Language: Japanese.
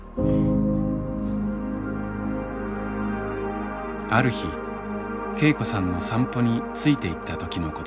ある日恵子さんの散歩についていった時のことでした。